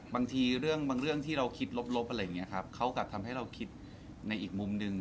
บางทีเรื่องบางเรื่องที่เราคิดลบอะไรอย่างนี้ครับเขากลับทำให้เราคิดในอีกมุมหนึ่ง